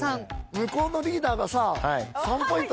向こうのリーダーがさ３ポイント